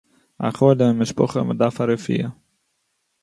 א חולה אין משפחה, מען דארף א רפואה.